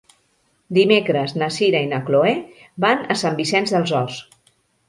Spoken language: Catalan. Dimecres na Sira i na Chloé van a Sant Vicenç dels Horts.